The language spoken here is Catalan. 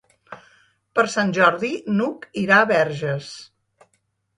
Per Sant Jordi n'Hug irà a Verges.